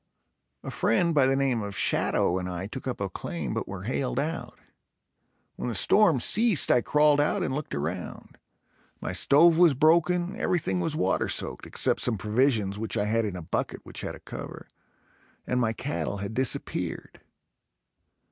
A friend by the name of Shatto and I took up a claim but were hailed out. When the storm ceased, I crawled out and looked around. My stove was broken, everything was water soaked, except some provisions which I had in a bucket which had a cover and my cattle had disappeared.